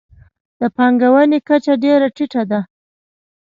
د پانګونې کچه ډېره ټیټه ده.